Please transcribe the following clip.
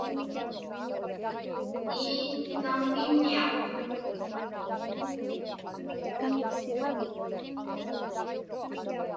Ii, kamŋiññiaqtuk.